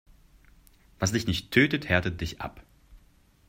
Was dich nicht tötet, härtet dich ab.